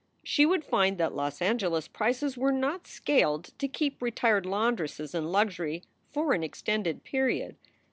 She would find that Los Angeles prices were net scaled to keep retired laundresses in luxury for an extended ^eriod.